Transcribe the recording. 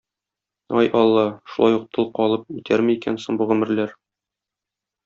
Ай, Алла, шулай ук тол калып үтәрме икән соң бу гомерләр.